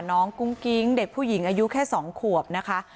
กุ้งกิ๊งเด็กผู้หญิงอายุแค่๒ขวบนะคะ